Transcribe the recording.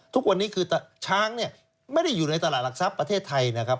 ทุกวันนี้คือช้างเนี่ยไม่ได้อยู่ในตลาดหลักทรัพย์ประเทศไทยนะครับ